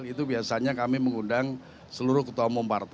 itu biasanya kami mengundang seluruh ketua mumparpol